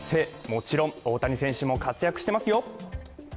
もちろん、大谷選手も活躍してますよ。